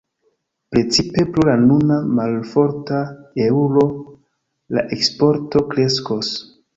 Precipe pro la nuna malforta eŭro la eksporto kreskos.